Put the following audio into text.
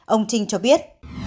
ông trinh cho biết